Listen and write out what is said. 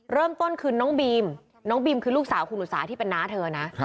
เริ่มต้นคือน้องบีมน้องบีมคือลูกสาวคุณอุตสาที่เป็นน้าเธอนะ